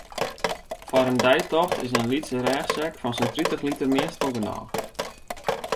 Foar in deitocht is in lytse rêchsek fan sa'n tritich liter meastal genôch.